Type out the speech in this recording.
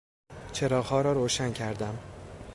چراغها را روشن کردم.